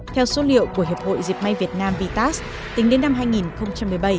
theo số liệu của hiệp hội dẹp may việt nam tính đến năm hai nghìn một mươi bảy